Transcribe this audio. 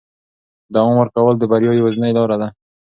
دوام ورکول د بریا یوازینۍ لاره ده.